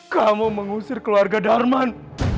kamu mengusir keluarga darman